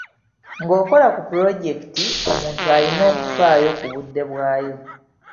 Ng'okola ku pulojekiti, omuntu alina okufaayo ku budde bwayo.